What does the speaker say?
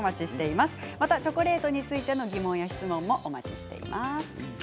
またチョコレートについての疑問や質問もお待ちしております。